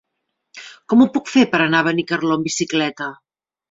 Com ho puc fer per anar a Benicarló amb bicicleta?